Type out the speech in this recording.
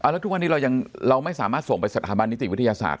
แล้วทุกวันนี้เราไม่สามารถส่งไปสถาบันนิติวิทยาศาสต